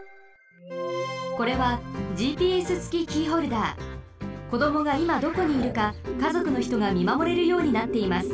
これはこどもがいまどこにいるかかぞくのひとがみまもれるようになっています。